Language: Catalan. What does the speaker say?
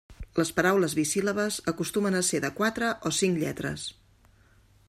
Les paraules bisíl·labes acostumen a ser de quatre o cinc lletres.